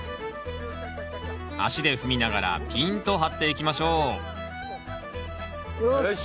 足で踏みながらピーンと張っていきましょうよし。